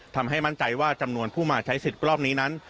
ทำให้มั่นใจว่าจำนวนผู้มาใช้สิทธิ์รอบนี้นั้น